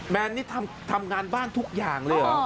แนนนี่ทำงานบ้านทุกอย่างเลยเหรอ